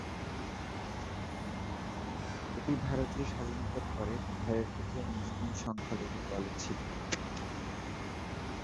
এটি ভারতের স্বাধীনতার পরে বিহারের প্রথম মুসলিম-সংখ্যালঘু কলেজ ছিল।